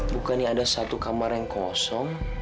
bukannya ada satu kamar yang kosong